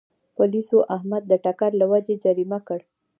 پولیسو احمد د ټکر له وجې جریمه کړ.